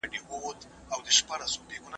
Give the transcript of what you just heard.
پلان جوړونه به ښې پایلې ولري.